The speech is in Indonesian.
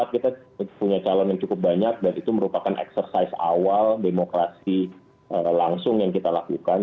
kita punya calon yang cukup banyak dan itu merupakan eksersis awal demokrasi langsung yang kita lakukan